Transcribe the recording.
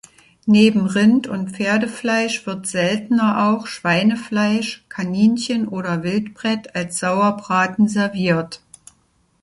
Neben Rind- und Pferdefleisch wird seltener auch Schweinefleisch, Kaninchen oder Wildbret als Sauerbraten serviert.